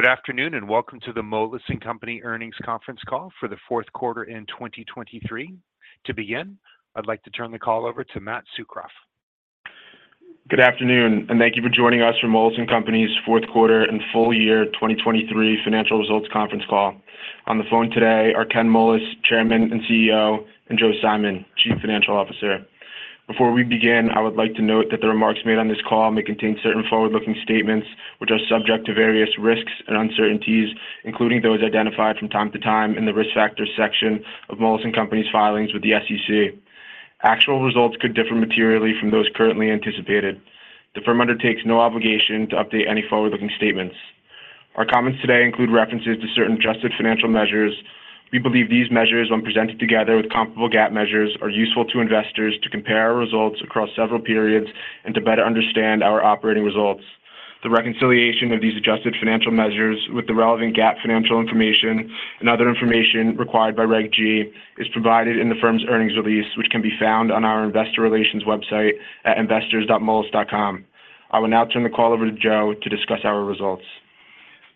Good afternoon, and welcome to the Moelis & Company Earnings Conference Call for the fourth quarter in 2023. To begin, I'd like to turn the call over to Matt Tsukroff. Good afternoon, and thank you for joining us for Moelis & Company's fourth quarter and full year 2023 financial results conference call. On the phone today are Ken Moelis, Chairman and CEO, and Joe Simon, Chief Financial Officer. Before we begin, I would like to note that the remarks made on this call may contain certain forward-looking statements which are subject to various risks and uncertainties, including those identified from time to time in the Risk Factors section of Moelis & Company's filings with the SEC. Actual results could differ materially from those currently anticipated. The firm undertakes no obligation to update any forward-looking statements. Our comments today include references to certain adjusted financial measures. We believe these measures, when presented together with comparable GAAP measures, are useful to investors to compare our results across several periods and to better understand our operating results. The reconciliation of these adjusted financial measures with the relevant GAAP financial information and other information required by Reg G is provided in the firm's earnings release, which can be found on our investor relations website at investors.moelis.com. I will now turn the call over to Joe to discuss our results.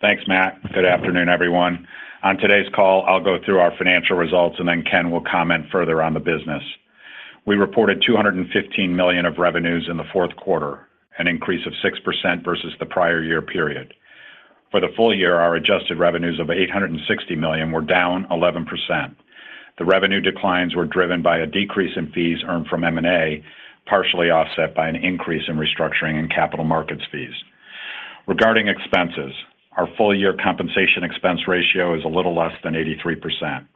Thanks, Matt. Good afternoon, everyone. On today's call, I'll go through our financial results, and then Ken will comment further on the business. We reported $215 million of revenues in the fourth quarter, an increase of 6% versus the prior year period. For the full year, our adjusted revenues of $860 million were down 11%. The revenue declines were driven by a decrease in fees earned from M&A, partially offset by an increase in restructuring and capital markets fees. Regarding expenses, our full-year compensation expense ratio is a little less than 83%.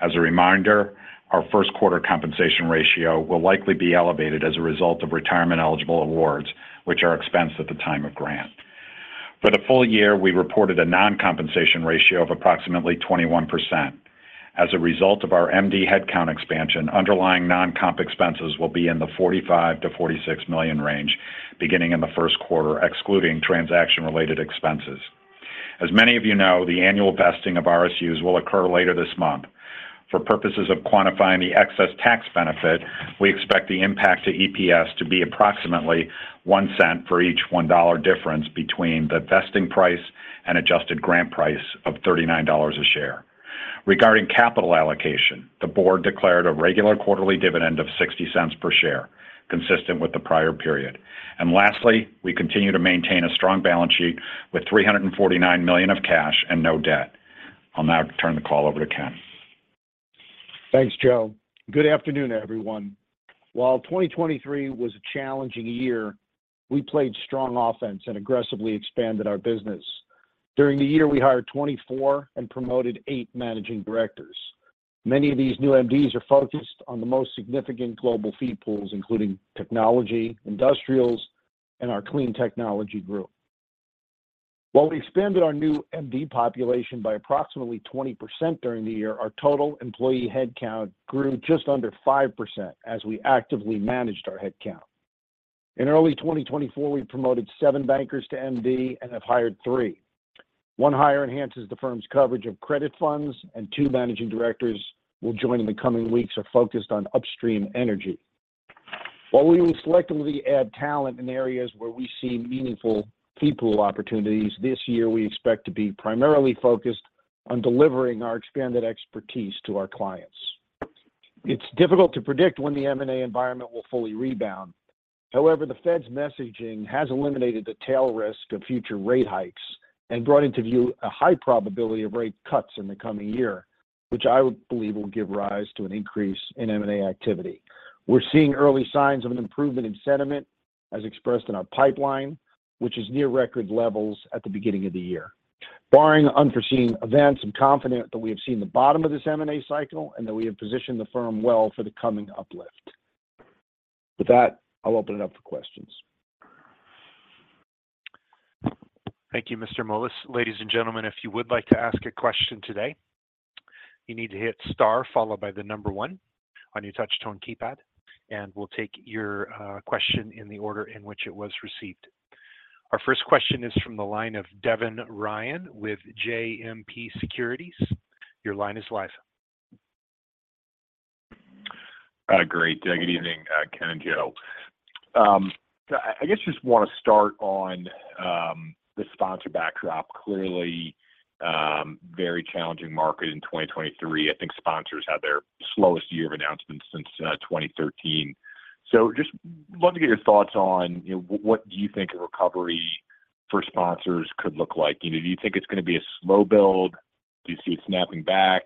As a reminder, our first quarter compensation ratio will likely be elevated as a result of retirement-eligible awards, which are expensed at the time of grant. For the full year, we reported a non-compensation ratio of approximately 21%. As a result of our MD headcount expansion, underlying non-comp expenses will be in the $45 million-$46 million range beginning in the first quarter, excluding transaction-related expenses. As many of you know, the annual vesting of RSUs will occur later this month. For purposes of quantifying the excess tax benefit, we expect the impact to EPS to be approximately $0.01 for each $1 difference between the vesting price and adjusted grant price of $39 a share. Regarding capital allocation, the board declared a regular quarterly dividend of $0.60 per share, consistent with the prior period. And lastly, we continue to maintain a strong balance sheet with $349 million of cash and no debt. I'll now turn the call over to Ken. Thanks, Joe. Good afternoon, everyone. While 2023 was a challenging year, we played strong offense and aggressively expanded our business. During the year, we hired 24 and promoted eight managing directors. Many of these new MDs are focused on the most significant global fee pools, including technology, industrials, and our Clean Technology Group. While we expanded our new MD population by approximately 20% during the year, our total employee headcount grew just under 5% as we actively managed our headcount. In early 2024, we promoted seven bankers to MD and have hired three. One hire enhances the firm's coverage of credit funds, and two managing directors will join in the coming weeks are focused on upstream energy. While we will selectively add talent in areas where we see meaningful fee pool opportunities, this year, we expect to be primarily focused on delivering our expanded expertise to our clients. It's difficult to predict when the M&A environment will fully rebound. However, the Fed's messaging has eliminated the tail risk of future rate hikes and brought into view a high probability of rate cuts in the coming year, which I would believe will give rise to an increase in M&A activity. We're seeing early signs of an improvement in sentiment, as expressed in our pipeline, which is near record levels at the beginning of the year. Barring unforeseen events, I'm confident that we have seen the bottom of this M&A cycle and that we have positioned the firm well for the coming uplift. With that, I'll open it up for questions. Thank you, Mr. Moelis. Ladies and gentlemen, if you would like to ask a question today, you need to hit star followed by the number one on your touch tone keypad, and we'll take your question in the order in which it was received. Our first question is from the line of Devin Ryan with JMP Securities. Your line is live. Great. Good evening, Ken and Joe. I guess just want to start on the sponsor backdrop. Clearly, very challenging market in 2023. I think sponsors had their slowest year of announcements since 2013. So just love to get your thoughts on, you know, what do you think a recovery for sponsors could look like? You know, do you think it's going to be a slow build? Do you see it snapping back?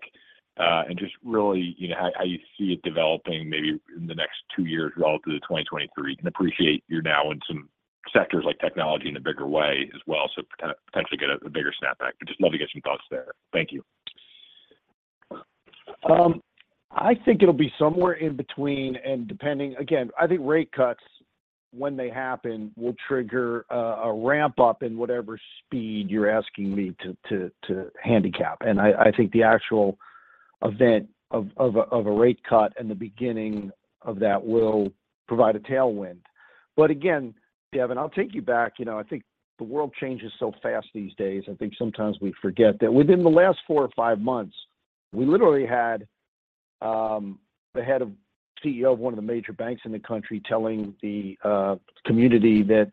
And just really, you know, how you see it developing maybe in the next two years throughout to 2023. And appreciate you're now in some sectors like technology in a bigger way as well, so potentially get a bigger snapback. But just love to get some thoughts there. Thank you. I think it'll be somewhere in between, and depending. Again, I think rate cuts, when they happen, will trigger a ramp up in whatever speed you're asking me to handicap. And I think the actual event of a rate cut and the beginning of that will provide a tailwind. But again, Devin, I'll take you back. You know, I think the world changes so fast these days. I think sometimes we forget that within the last four or five months, we literally had the Head of CEO of one of the major banks in the country telling the community that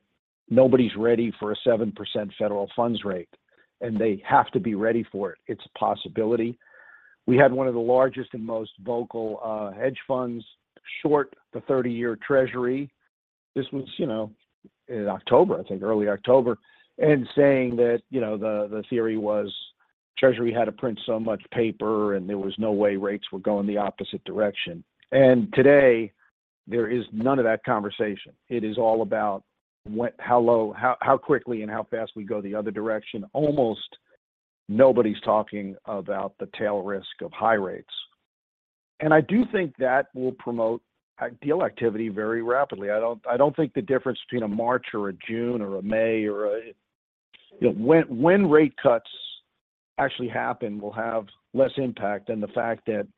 nobody's ready for a 7% federal funds rate, and they have to be ready for it. It's a possibility. We had one of the largest and most vocal hedge funds short the 30-year Treasury. This was, you know, in October, I think, early October, and saying that, you know, the theory was Treasury had to print so much paper, and there was no way rates were going the opposite direction. And today, there is none of that conversation. It is all about what, how low, how quickly and how fast we go the other direction. Almost nobody's talking about the tail risk of high rates. And I do think that will promote deal activity very rapidly. I don't think the difference between a March or a June or a May or a- You know, when rate cuts actually happen will have less impact than the fact that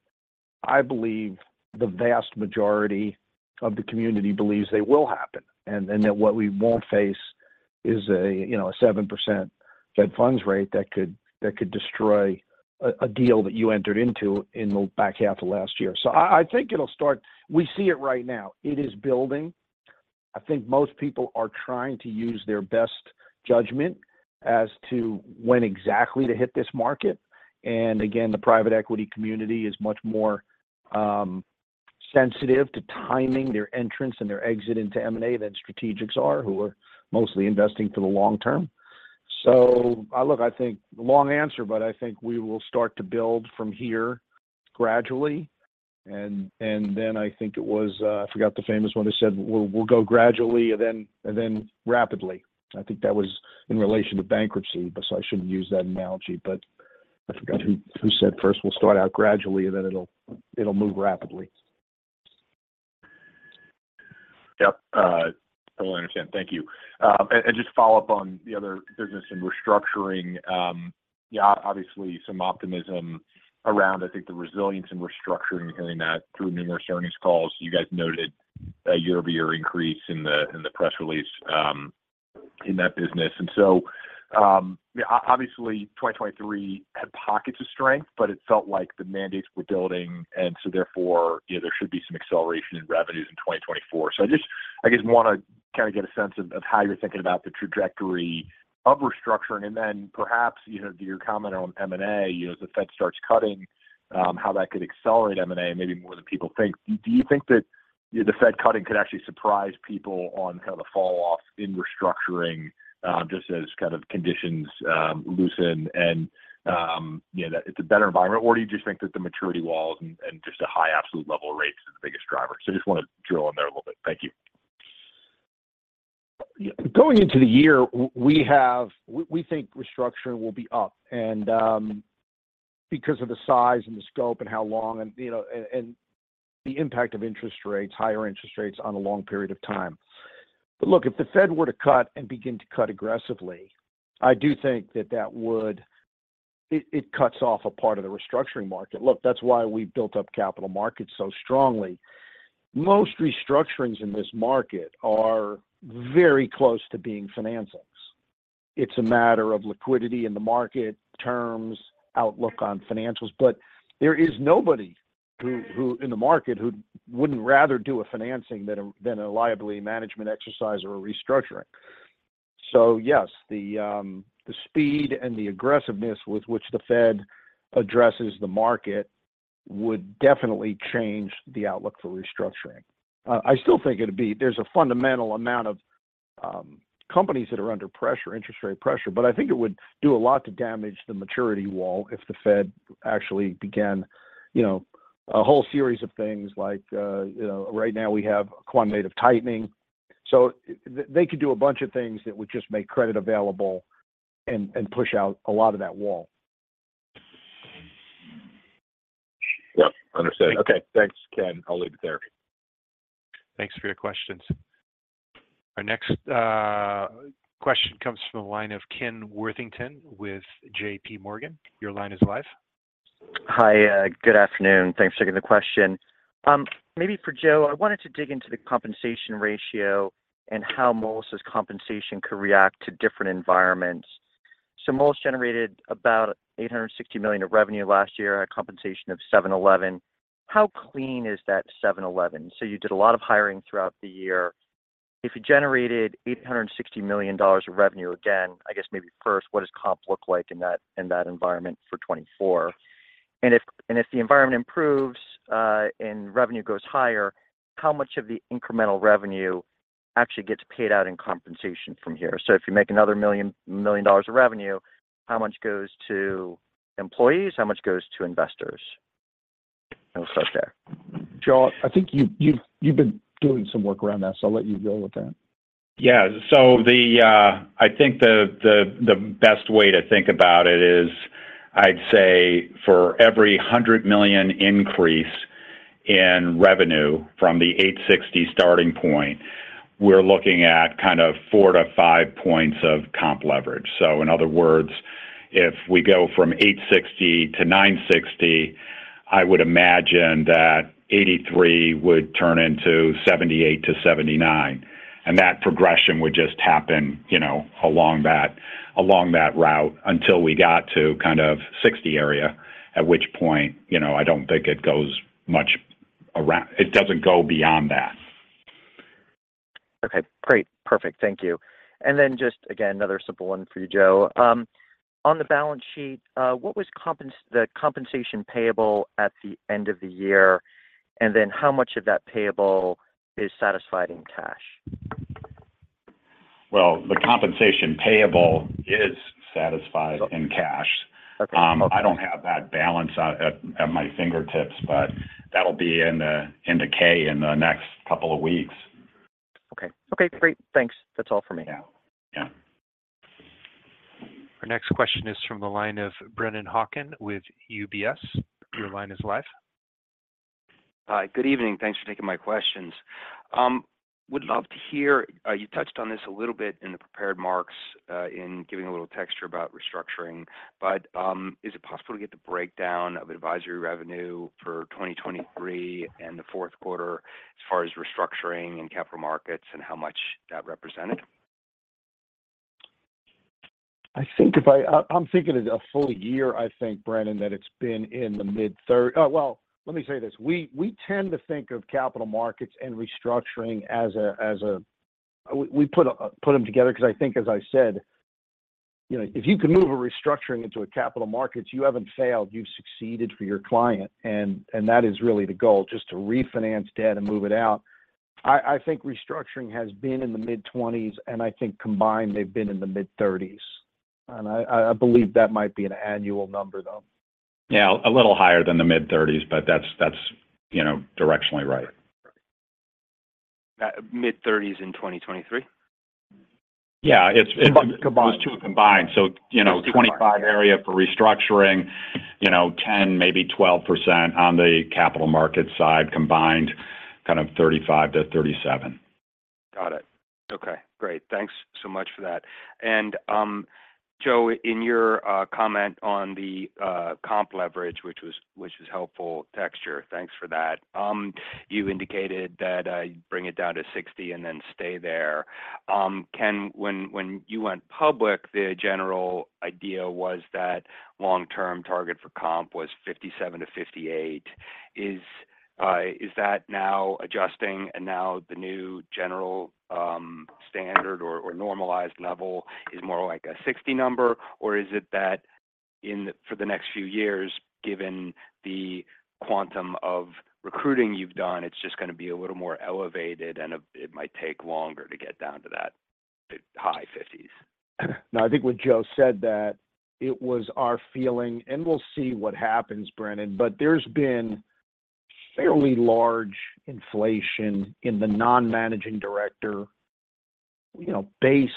I believe the vast majority of the community believes they will happen, and that what we won't face is a, you know, a 7% Fed funds rate that could destroy a deal that you entered into in the back half of last year. So I think it'll start. We see it right now. It is building. I think most people are trying to use their best judgment as to when exactly to hit this market. And again, the private equity community is much more sensitive to timing their entrance and their exit into M&A than strategics are, who are mostly investing for the long term. So, look, I think the long answer, but I think we will start to build from here gradually, and then I think it was, I forgot the famous one who said, "We'll go gradually and then rapidly." I think that was in relation to bankruptcy, but so I shouldn't use that analogy, but I forgot who said first, "We'll start out gradually, and then it'll move rapidly. Yep, totally understand. Thank you. And just follow up on the other business and restructuring. Yeah, obviously, some optimism around, I think, the resilience in restructuring and hearing that through numerous earnings calls. You guys noted a year-over-year increase in the press release, in that business. And so, yeah, obviously, 2023 had pockets of strength, but it felt like the mandates were building, and so therefore, you know, there should be some acceleration in revenues in 2024. So I just, I guess, want to kind of get a sense of how you're thinking about the trajectory of restructuring, and then perhaps, you know, your comment on M&A, you know, as the Fed starts cutting, how that could accelerate M&A, maybe more than people think. Do you think that the Fed cutting could actually surprise people on kind of the fall off in restructuring, just as kind of conditions loosen and, you know, that it's a better environment? Or do you just think that the maturity walls and just a high absolute level of rates is the biggest driver? So just want to drill in there a little bit. Thank you. Yeah, going into the year, we have – we think restructuring will be up, and because of the size and the scope and how long and, you know, and the impact of interest rates, higher interest rates on a long period of time. But look, if the Fed were to cut and begin to cut aggressively, I do think that that would – it cuts off a part of the restructuring market. Look, that's why we built up capital markets so strongly. Most restructurings in this market are very close to being financings. It's a matter of liquidity in the market, terms, outlook on financials, but there is nobody who in the market who wouldn't rather do a financing than a liability management exercise or a restructuring. So yes, the speed and the aggressiveness with which the Fed addresses the market would definitely change the outlook for restructuring. I still think it'd be—there's a fundamental amount of companies that are under pressure, interest rate pressure, but I think it would do a lot to damage the maturity wall if the Fed actually began, you know, a whole series of things like, you know, right now we have a quantitative tightening. So they could do a bunch of things that would just make credit available and push out a lot of that wall. Yep, understood. Okay, thanks, Ken. I'll leave it there. Thanks for your questions. Our next question comes from the line of Ken Worthington with JPMorgan. Your line is live. Hi, good afternoon. Thanks for taking the question. Maybe for Joe, I wanted to dig into the compensation ratio and how Moelis' compensation could react to different environments. So Moelis generated about $860 million of revenue last year on a compensation of $711 million. How clean is that $711 million? So you did a lot of hiring throughout the year. If you generated $860 million of revenue, again, I guess maybe first, what does comp look like in that, in that environment for 2024? And if the environment improves, and revenue goes higher, how much of the incremental revenue actually gets paid out in compensation from here? So if you make another $1 million of revenue, how much goes to employees? How much goes to investors? I'll start there. Joe, I think you've been doing some work around that, so I'll let you go with that. Yeah. So the, I think the best way to think about it is, I'd say for every $100 million increase in revenue from the $860 starting point, we're looking at kind of 4 points-5 points of comp leverage. So in other words, if we go from $860 to $960, I would imagine that 83 would turn into 78-79 and that progression would just happen, you know, along that route until we got to kind of 60 area, at which point, you know, I don't think it goes much around-- it doesn't go beyond that. Okay, great. Perfect. Thank you. And then just, again, another simple one for you, Joe. On the balance sheet, what was the compensation payable at the end of the year? And then how much of that payable is satisfied in cash? Well, the compensation payable is satisfied in cash. Okay. I don't have that balance at my fingertips, but that'll be in the K in the next couple of weeks. Okay. Okay, great. Thanks. That's all for me now. Yeah. Our next question is from the line of Brennan Hawken with UBS. Your line is live. Hi. Good evening. Thanks for taking my questions. Would love to hear, you touched on this a little bit in the prepared remarks, in giving a little texture about restructuring. But, is it possible to get the breakdown of advisory revenue for 2023 and the fourth quarter as far as restructuring and capital markets, and how much that represented? I think I'm thinking as a full year, I think, Brennan, that it's been in the mid-30s. Well, let me say this: we tend to think of capital markets and restructuring as a—we put them together because I think, as I said, you know, if you can move a restructuring into a capital markets, you haven't failed, you've succeeded for your client, and that is really the goal, just to refinance debt and move it out. I think restructuring has been in the mid-20s, and I think combined, they've been in the mid-30s. And I believe that might be an annual number, though. Yeah, a little higher than the mid-30s, but that's, that's, you know, directionally right. Mid-30s in 2023? Yeah, it's- Combined. Those two combined. So, you know, 25 area for restructuring, you know, 10, maybe 12% on the capital markets side, combined kind of 35-37. Got it. Okay, great. Thanks so much for that. And, Joe, in your comment on the comp leverage, which was helpful context, thanks for that. You indicated that you bring it down to 60 and then stay there. When you went public, the general idea was that long-term target for comp was 57-58. Is that now adjusting, and now the new general standard or normalized level is more like a 60 number? Or is it that in for the next few years, given the quantum of recruiting you've done, it's just gonna be a little more elevated and it might take longer to get down to that, the high 50s? No, I think what Joe said, that it was our feeling, and we'll see what happens, Brennan, but there's been fairly large inflation in the non-managing director, you know, base,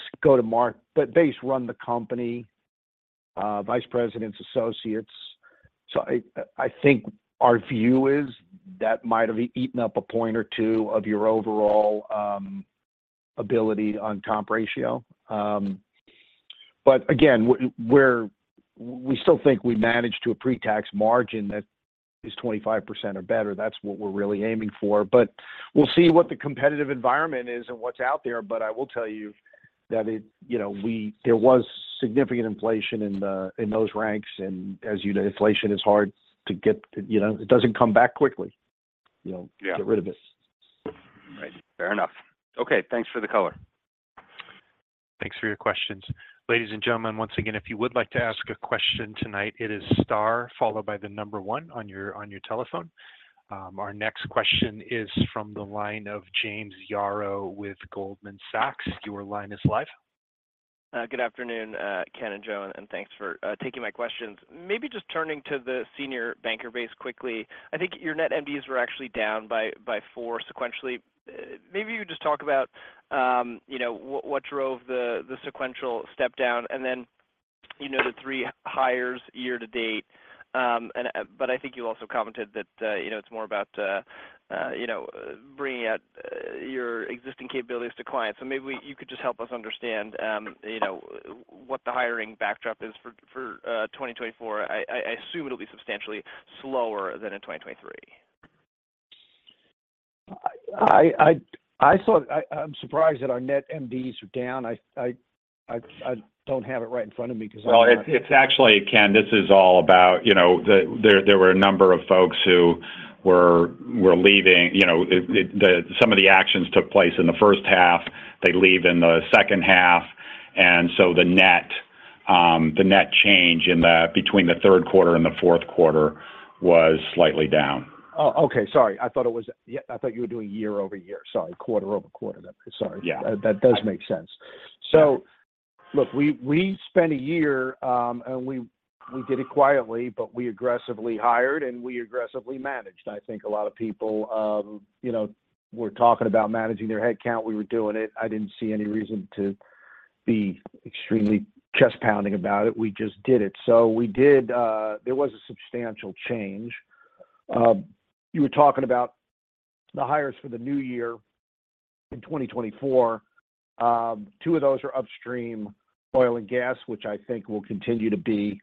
run the company, vice presidents, associates. So I think our view is that might have eaten up a point or two of your overall ability on comp ratio. But again, we're still think we managed to a pre-tax margin that is 25% or better. That's what we're really aiming for, but we'll see what the competitive environment is and what's out there. But I will tell you that it, you know, there was significant inflation in those ranks, and as you know, inflation is hard to get, you know, it doesn't come back quickly, you know- Yeah to get rid of it. Right. Fair enough. Okay, thanks for the color. Thanks for your questions. Ladies and gentlemen, once again, if you would like to ask a question tonight, it is star, followed by the number one on your telephone. Our next question is from the line of James Yaro with Goldman Sachs. Your line is live. Good afternoon, Ken and Joe, and thanks for taking my questions. Maybe just turning to the senior banker base quickly. I think your net MDs were actually down by four sequentially. Maybe you could just talk about, you know, what drove the sequential step down, and then, you know, the three hires year to date. But I think you also commented that, you know, it's more about, you know, bringing out your existing capabilities to clients. So maybe you could just help us understand, you know, what the hiring backdrop is for 2024. I assume it'll be substantially slower than in 2023. I thought. I'm surprised that our net MDs are down. I don't have it right in front of me because I- Well, it's actually, Ken, this is all about, you know, there were a number of folks who were leaving. You know, it, some of the actions took place in the first half, they leave in the second half, and so the net change between the third quarter and the fourth quarter was slightly down. Oh, okay. Sorry, I thought it was. Yeah, I thought you were doing year-over-year. Sorry, quarter-over-quarter. Sorry. Yeah. That does make sense. Yeah. So look, we spent a year, and we did it quietly, but we aggressively hired and we aggressively managed. I think a lot of people, you know, were talking about managing their headcount, we were doing it. I didn't see any reason to be extremely chest-pounding about it. We just did it. So we did. There was a substantial change. You were talking about the hires for the new year in 2024. Two of those are upstream oil and gas, which I think will continue to be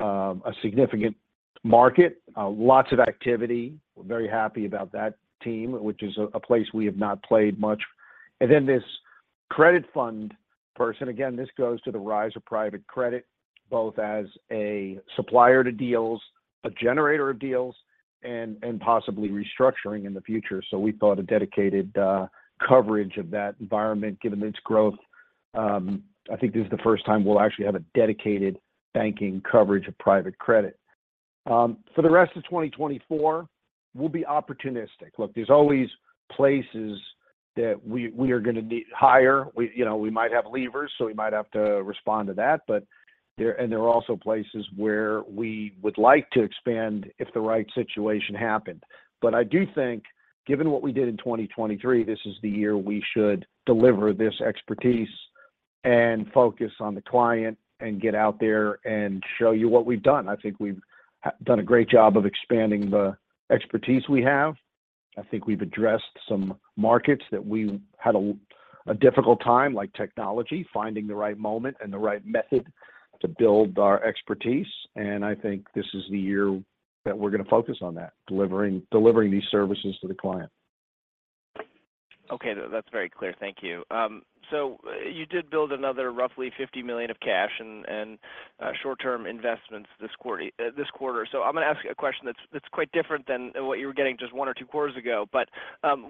a significant market, lots of activity. We're very happy about that team, which is a place we have not played much. And then this credit fund person, again, this goes to the rise of private credit, both as a supplier to deals, a generator of deals, and possibly restructuring in the future. So we thought a dedicated coverage of that environment, given its growth. I think this is the first time we'll actually have a dedicated banking coverage of private credit. For the rest of 2024, we'll be opportunistic. Look, there's always places that we are gonna need hire. You know, we might have leavers, so we might have to respond to that. But there are also places where we would like to expand if the right situation happened. But I do think, given what we did in 2023, this is the year we should deliver this expertise and focus on the client, and get out there and show you what we've done. I think we've done a great job of expanding the expertise we have. I think we've addressed some markets that we had a difficult time, like technology, finding the right moment and the right method to build our expertise, and I think this is the year that we're gonna focus on that, delivering these services to the client. Okay, that's very clear. Thank you. So you did build another roughly $50 million of cash and short-term investments this quarter. So I'm gonna ask you a question that's quite different than what you were getting just one or two quarters ago. But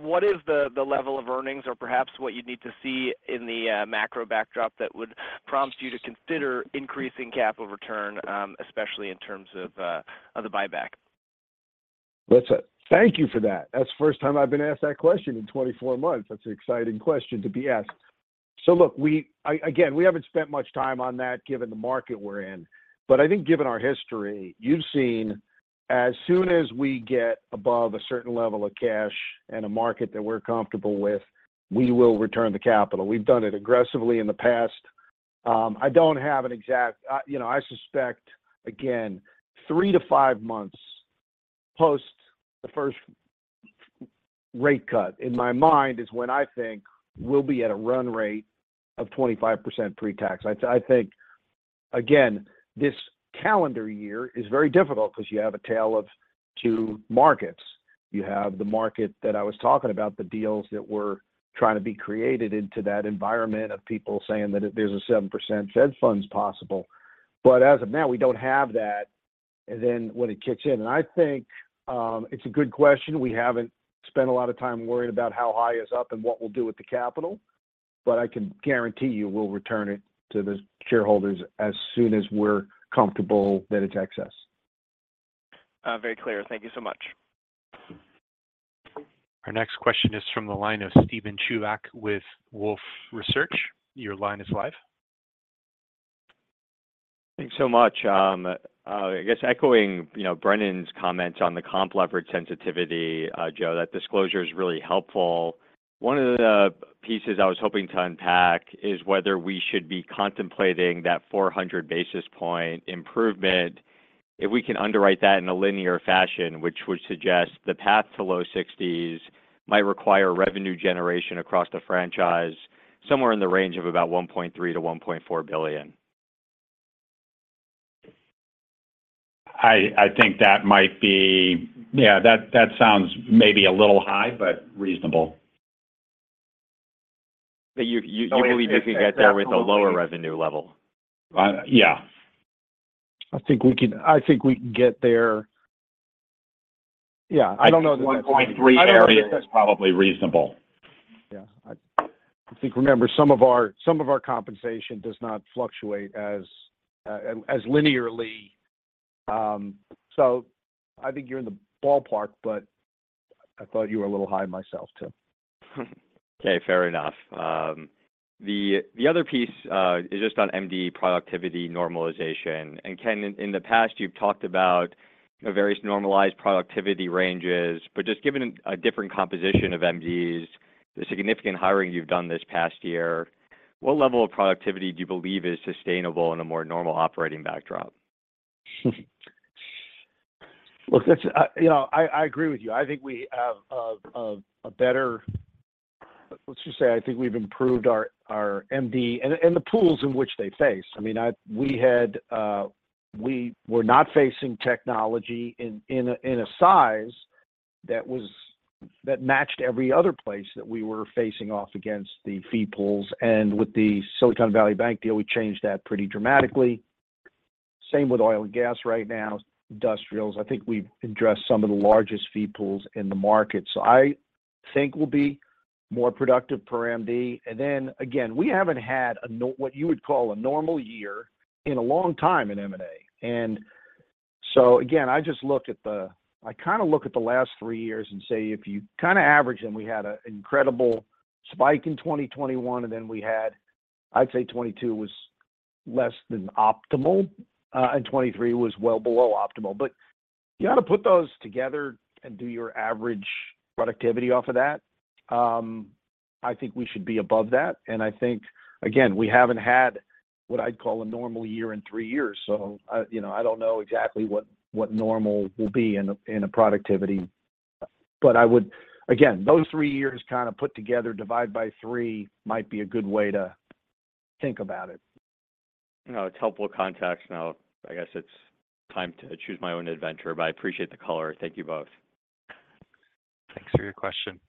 what is the level of earnings or perhaps what you'd need to see in the macro backdrop that would prompt you to consider increasing capital return, especially in terms of the buyback? Listen, thank you for that. That's the first time I've been asked that question in 24 months. That's an exciting question to be asked. So look, again, we haven't spent much time on that, given the market we're in. But I think given our history, you've seen as soon as we get above a certain level of cash and a market that we're comfortable with, we will return the capital. We've done it aggressively in the past. I don't have an exact. I, you know, I suspect, again, three months to five months post the first rate cut, in my mind, is when I think we'll be at a run rate of 25% pre-tax. I think, again, this calendar year is very difficult because you have a tale of two markets. You have the market that I was talking about, the deals that were trying to be created into that environment of people saying that there's a 7% Fed funds possible. But as of now, we don't have that, and then when it kicks in. And I think, it's a good question. We haven't spent a lot of time worrying about how high is up and what we'll do with the capital, but I can guarantee you we'll return it to the shareholders as soon as we're comfortable that it's excess. Very clear. Thank you so much. Our next question is from the line of Steven Chubak with Wolfe Research. Your line is live. Thanks so much. I guess echoing, you know, Brennan's comments on the comp leverage sensitivity, Joe, that disclosure is really helpful. One of the pieces I was hoping to unpack is whether we should be contemplating that 400 basis point improvement, if we can underwrite that in a linear fashion, which would suggest the path to low sixties might require revenue generation across the franchise, somewhere in the range of about $1.3 billion-$1.4 billion. I think that might be. Yeah, that sounds maybe a little high, but reasonable. But you believe you can get there with a lower revenue level? Uh, yeah. I think we can, I think we can get there. Yeah, I don't know- 1.3 area is probably reasonable. Yeah. I think some of our compensation does not fluctuate as linearly. So I think you're in the ballpark, but I thought you were a little high myself, too. Okay, fair enough. The other piece is just on MD productivity normalization. And Ken, in the past, you've talked about various normalized productivity ranges, but just given a different composition of MDs, the significant hiring you've done this past year, what level of productivity do you believe is sustainable in a more normal operating backdrop? Look, that's, you know, I agree with you. I think we have a better. Let's just say, I think we've improved our MD and the pools in which they face. I mean, we were not facing technology in a size that matched every other place that we were facing off against the fee pools. And with the Silicon Valley Bank deal, we changed that pretty dramatically. Same with oil and gas right now, industrials. I think we've addressed some of the largest fee pools in the market. So I think we'll be more productive per MD. And then again, we haven't had a what you would call a normal year in a long time in M&A. And so again, I just look at I kind of look at the last three years and say, if you kind of average them, we had an incredible spike in 2021, and then we had, I'd say 2022 was less than optimal, and 2023 was well below optimal. But you got to put those together and do your average productivity off of that. I think we should be above that. And I think, again, we haven't had what I'd call a normal year in three years, so, you know, I don't know exactly what normal will be in a productivity, but I would, again, those three years kind of put together, divide by three, might be a good way to think about it. No, it's helpful context. Now, I guess it's time to choose my own adventure, but I appreciate the color. Thank you both. Thanks for your question.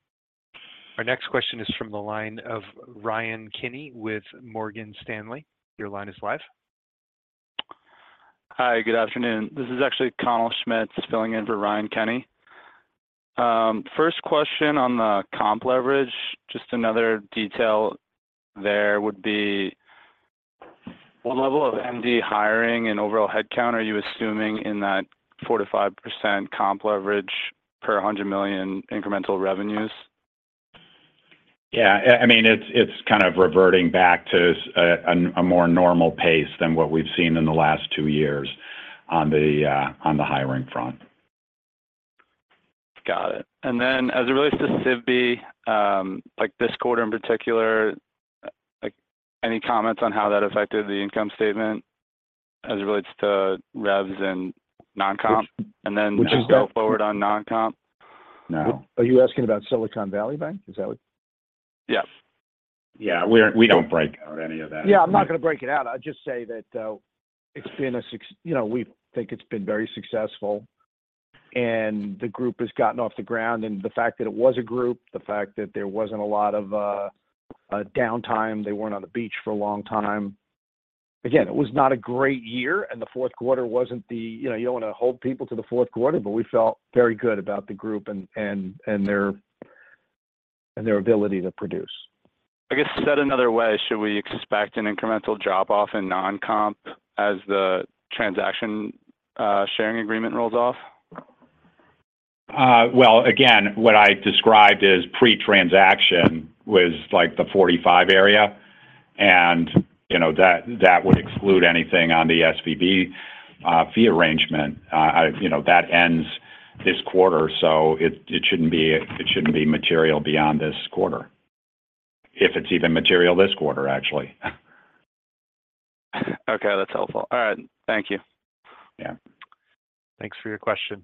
Our next question is from the line of Ryan Kenny with Morgan Stanley. Your line is live. Hi, good afternoon. This is actually Connell Schmitz filling in for Ryan Kenny. First question on the comp leverage, just another detail there would be, what level of MD hiring and overall headcount are you assuming in that 4%-5% comp leverage per $100 million incremental revenues? Yeah, I mean, it's kind of reverting back to a more normal pace than what we've seen in the last two years on the hiring front. Got it. And then, as it relates to SVB, like this quarter in particular, like, any comments on how that affected the income statement as it relates to revs and non-comp? Which- And then just go forward on non-comp. No. Are you asking about Silicon Valley Bank? Is that what- Yes. Yeah, we don't break out any of that. Yeah, I'm not going to break it out. I'd just say that, you know, we think it's been very successful, and the group has gotten off the ground. And the fact that it was a group, the fact that there wasn't a lot of downtime, they weren't on the beach for a long time. Again, it was not a great year, and the fourth quarter wasn't the, you know, you don't want to hold people to the fourth quarter, but we felt very good about the group and their ability to produce. I guess said another way, should we expect an incremental drop-off in non-comp as the transaction, sharing agreement rolls off? Well, again, what I described as pre-transaction was like the 45 area, and, you know, that, that would exclude anything on the SVB fee arrangement. You know, that ends this quarter, so it, it shouldn't be, it shouldn't be material beyond this quarter. If it's even material this quarter, actually. Okay, that's helpful. All right. Thank you. Yeah. Thanks for your question.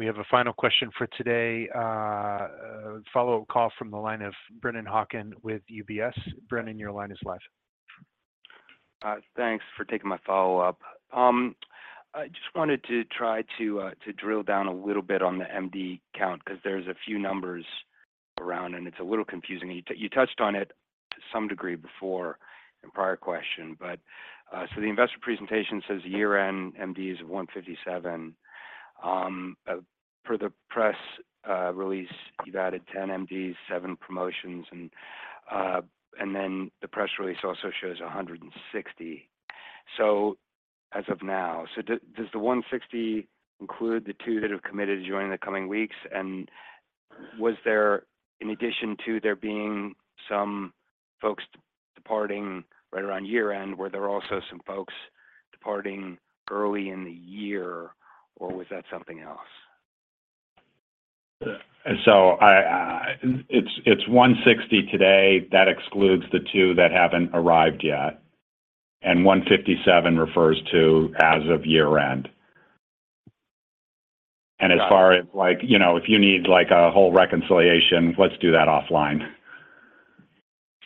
We have a final question for today, a follow-up call from the line of Brennan Hawken with UBS. Brennan, your line is live. Thanks for taking my follow-up. I just wanted to try to drill down a little bit on the MD count, 'cause there's a few numbers around, and it's a little confusing. You touched on it to some degree before in prior question, but so the investor presentation says year-end MD is 157. Per the press release, you've added 10 MDs, seven promotions, and then the press release also shows 160. So as of now, does the 160 include the two that have committed to joining in the coming weeks? And was there, in addition to there being some folks departing right around year-end, were there also some folks departing early in the year, or was that something else? So, it's 160 today. That excludes the two that haven't arrived yet, and 157 refers to as of year-end. Got it. As far as, like, you know, if you need, like, a whole reconciliation, let's do that offline.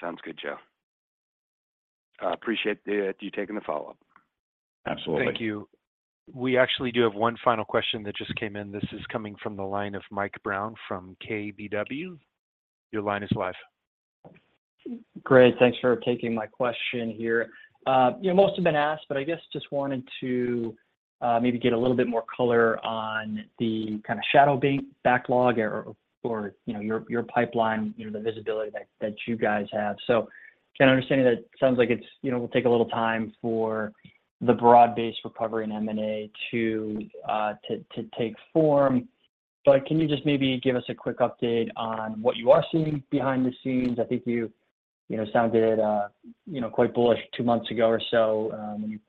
Sounds good, Joe. I appreciate you taking the follow-up. Absolutely. Thank you. We actually do have one final question that just came in. This is coming from the line of Mike Brown from KBW. Your line is live. Great, thanks for taking my question here. You know, most have been asked, but I guess just wanted to maybe get a little bit more color on the kind of shadow bank backlog or, you know, your pipeline, you know, the visibility that you guys have. So can I understand that it sounds like it's, you know, will take a little time for the broad-based recovery in M&A to take form, but can you just maybe give us a quick update on what you are seeing behind the scenes? I think you know sounded, you know, quite bullish two months ago or so,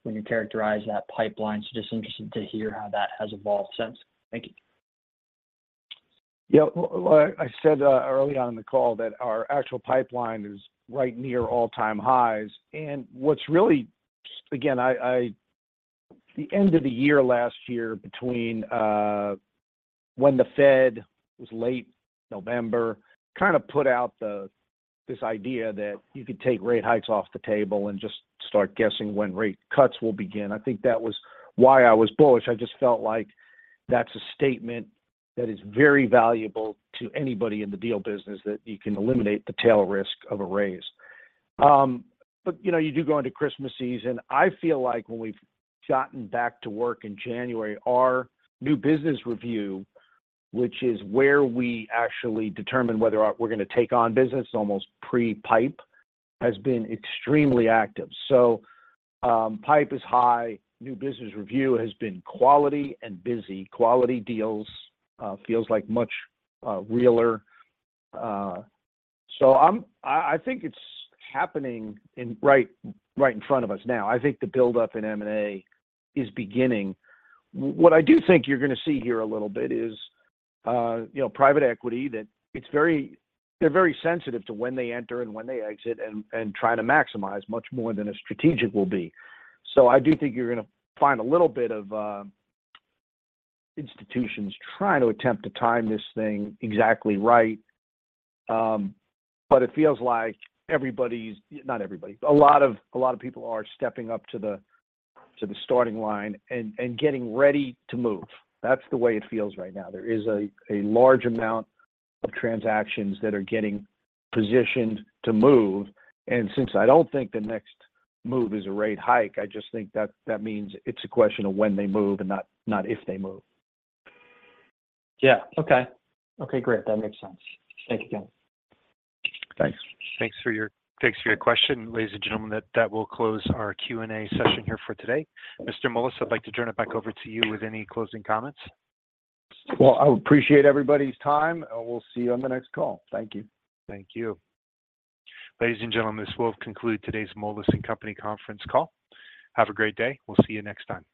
when you characterized that pipeline. So just interested to hear how that has evolved since. Thank you. Yeah. Well, I said early on in the call that our actual pipeline is right near all-time highs, and what's really. Again, the end of the year last year, between when the Fed, it was late November, kind of put out this idea that you could take rate hikes off the table and just start guessing when rate cuts will begin. I think that was why I was bullish. I just felt like that's a statement that is very valuable to anybody in the deal business, that you can eliminate the tail risk of a raise. But you know, you do go into Christmas season. I feel like when we've gotten back to work in January, our new business review, which is where we actually determine whether or not we're going to take on business, almost pre-pipe, has been extremely active. So, pipe is high. New business review has been quality and busy. Quality deals, feels like much, realer. So I think it's happening right in front of us now. I think the buildup in M&A is beginning. What I do think you're going to see here a little bit is, you know, private equity, that it's very—they're very sensitive to when they enter and when they exit and try to maximize much more than a strategic will be. So I do think you're going to find a little bit of institutions trying to attempt to time this thing exactly right. But it feels like everybody's—not everybody, a lot of people are stepping up to the starting line and getting ready to move. That's the way it feels right now. There is a large amount of transactions that are getting positioned to move, and since I don't think the next move is a rate hike, I just think that that means it's a question of when they move and not if they move. Yeah. Okay. Okay, great. That makes sense. Thank you, again. Thanks. Thanks for your question. Ladies and gentlemen, that will close our Q&A session here for today. Mr. Moelis, I'd like to turn it back over to you with any closing comments. Well, I appreciate everybody's time, and we'll see you on the next call. Thank you. Thank you. Ladies and gentlemen, this will conclude today's Moelis & Company conference call. Have a great day. We'll see you next time.